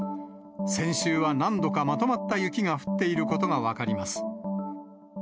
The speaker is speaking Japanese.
先週は何度かまとまった雪が降っていることが分かります。